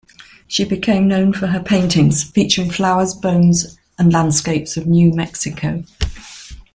She became known for her paintings, featuring flowers, bones, and landscapes of New Mexico.